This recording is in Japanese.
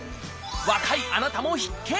若いあなたも必見！